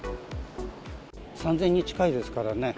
３０００人近いですからね。